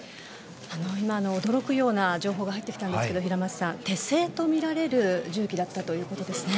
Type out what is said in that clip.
今、驚くような情報が入ってきたんですが平松さん、手製とみられる銃器だったということですね。